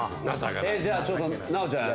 じゃあ奈央ちゃん。